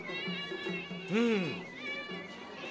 うん。